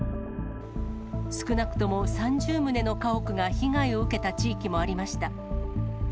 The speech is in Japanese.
少なくとも３０棟の家屋が被害を受けた地域もありました。